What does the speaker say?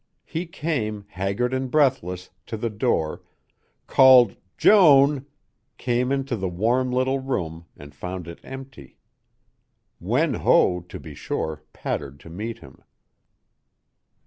He came, haggard and breathless, to the door, called "Joan," came into the warm little room and found it empty. Wen Ho, to be sure, pattered to meet him.